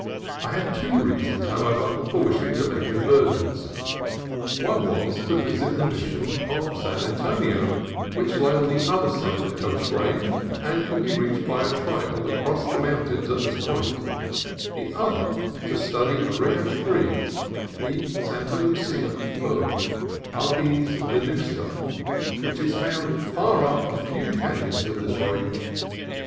I had two reasons, however, for wishing to make a divergence: one was, to visit the Mission of 1 68 CALIFORNIA COAST TRAILS San Antonio, which lay on the other side of the Coast Range and could be reached by a trail that crossed the mountains at this point; the other, to study a rare tree, the Santa Lucia fir (Abies venusta), which is found far up a few canons of this range.